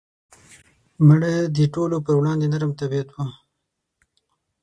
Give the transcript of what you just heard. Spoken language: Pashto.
مړه د ټولو پر وړاندې نرم طبیعت وه